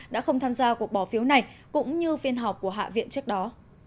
đã không tham gia cuộc bỏ phiếu này cũng như phiên họp của hạ viện trước đó